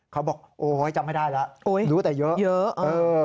เขาบอกโอ๊ยจำไม่ได้แล้วรู้แต่เยอะ